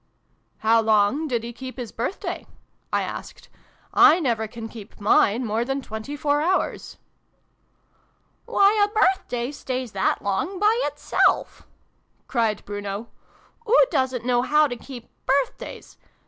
" How long did he keep his birthday ?" I asked. <: I never can keep mine more than twenty four hours." " Why, a birthday stays that long by itself! " cried Bruno. "Oo doosn't know how to keep birthdays !